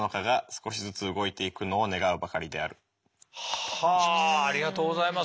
はあありがとうございます。